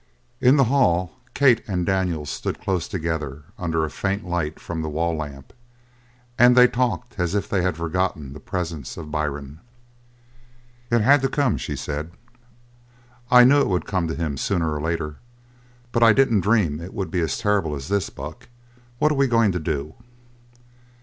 In the hall Kate and Daniels stood close together under a faint light from the wall lamp, and they talked as if they had forgotten the presence of Byrne. "It had to come," she said. "I knew it would come to him sooner or later, but I didn't dream it would be as terrible as this. Buck, what are we going to do?"